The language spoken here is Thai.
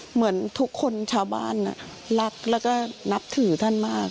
เหมือนทุกคนชาวบ้านรักแล้วก็นับถือท่านมาก